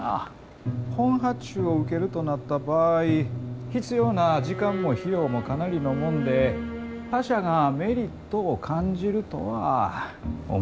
本発注を受けるとなった場合必要な時間も費用もかなりのもんで他社がメリットを感じるとは思えません。